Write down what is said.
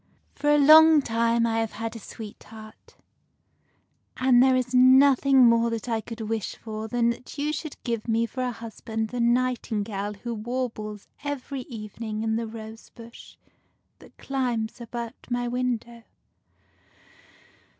For a long time I have had a sweetheart, and there is nothing more that I could wish for than that you should give me for a husband the nightingale who warbles every even ing in the rose bush that climbs about my window."